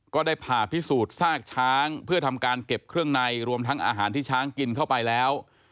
ก็ได้ผ่าพิสูจน์ซากช้างเพื่อทำการเก็บเครื่องในรวมทั้งอาหารที่ช้างกินเข้าไปแล้ว